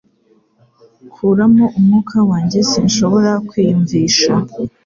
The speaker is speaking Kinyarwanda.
kuramo umwuka wanjye. Sinshobora kwiyumvisha